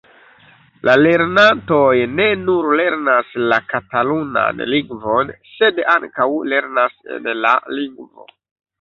La lernantoj ne nur lernas la katalunan lingvon, sed ankaŭ lernas en la lingvo.